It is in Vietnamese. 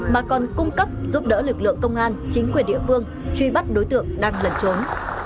mà còn cung cấp giúp đỡ lực lượng công an chính quyền địa phương truy bắt đối tượng đang lẩn trốn